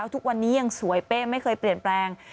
ทุกวันนี้ยังสวยเป้ไม่เคยเปลี่ยนแปลง